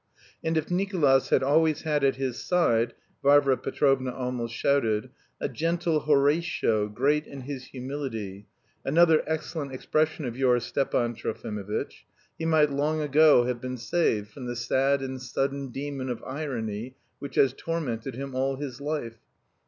"And if Nicolas had always had at his side" (Varvara Petrovna almost shouted) "a gentle Horatio, great in his humility another excellent expression of yours, Stepan Trofimovitch he might long ago have been saved from the sad and 'sudden demon of irony,' which has tormented him all his life.